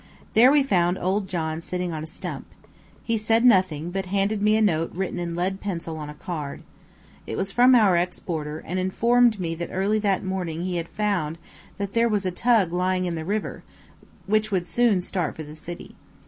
There we found old John sitting on a stump. He said nothing, but handed me a note written in lead pencil on a card. It was from our ex boarder, and informed me that early that morning he had found that there was a tug lying in the river, which would soon start for the city.